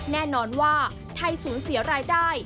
แน่นอนว่าไทยสูญเสียรายได้